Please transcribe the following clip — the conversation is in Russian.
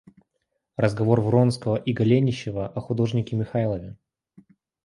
Разговор Вронского и Голенищева о художнике Михайлове.